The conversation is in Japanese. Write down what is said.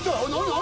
何？